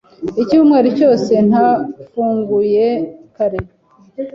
Icyumweru cyose ntafunguye kare.